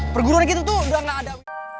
perguruan kita tuh udah gak ada